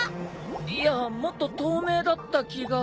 いやもっと透明だった気が。